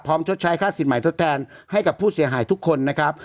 ชดใช้ค่าสินใหม่ทดแทนให้กับผู้เสียหายทุกคนนะครับ